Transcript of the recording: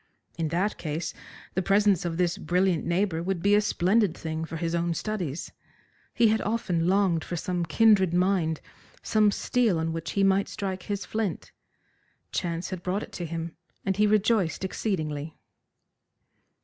In that case the presence of this brilliant neighbour would be a splendid thing for his own studies. He had often longed for some kindred mind, some steel on which he might strike his flint. Chance had brought it to him, and he rejoiced exceedingly.